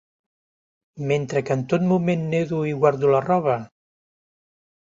Mentre que en tot moment nedo i guardo la roba?